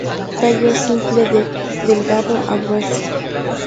Tallo simple, de delgado a grueso.